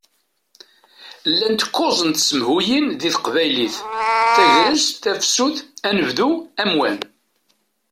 Llant kuẓ n tsemhuyin di teqbaylit: Tagrest, Tafsut, Anebdu, Amwan.